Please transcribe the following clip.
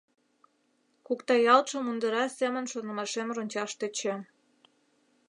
Куктаялтше мундыра семын шонымашем рончаш тӧчем.